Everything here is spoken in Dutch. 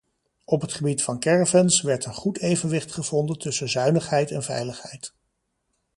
Op het gebied van caravans werd een goed evenwicht gevonden tussen zuinigheid en veiligheid.